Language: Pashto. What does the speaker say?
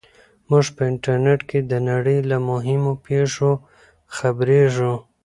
موږ په انټرنیټ کې د نړۍ له مهمو پېښو خبریږو.